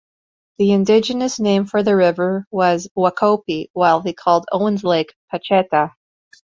The indigenous name for the river was "Wakopee", while they called Owens Lake "Pacheta".